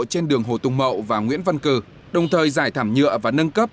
trên đường hồ tùng mậu và nguyễn văn cử đồng thời giải thảm nhựa và nâng cấp